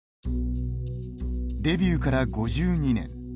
デビューから５２年。